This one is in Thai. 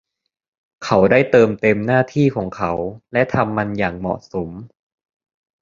เขาได้เติมเต็มหน้าที่ของเขาและทำมันอย่างเหมาะสม